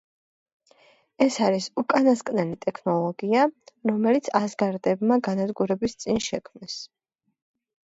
ეს არის უკანასკნელი ტექნოლოგია, რომელიც ასგარდებმა განადგურების წინ შექმნეს.